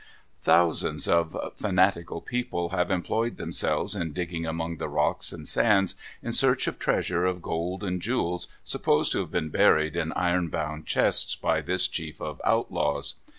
Thousands of fanatical people have employed themselves in digging among the rocks and sands, in search of treasure of gold and jewels supposed to have been buried, in iron bound chests, by this chief of outlaws.